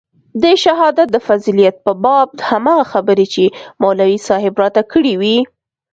د شهادت د فضيلت په باب هماغه خبرې چې مولوي صاحب راته کړې وې.